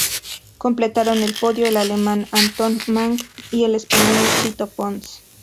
Completaron el podio el alemán Anton Mang y el español Sito Pons.